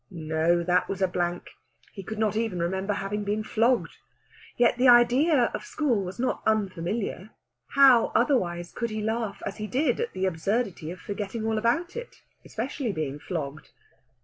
No, that was a blank. He could not even remember having been flogged. Yet the idea of school was not unfamiliar; how, otherwise, could he laugh as he did at the absurdity of forgetting all about it, especially being flogged?